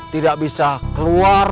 tidak bisa keluar